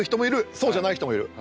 そうじゃない人もいる。